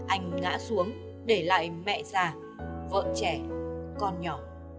anh ngã xuống để lại mẹ già vợ trẻ con nhỏ